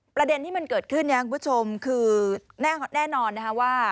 ประเด็นที่มันเกิดขึ้นคุณผู้ชมคือแน่นอนว่า